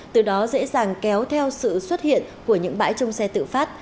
từ đó dễ dàng kéo theo sự xuất hiện của những bãi trông xe tự phát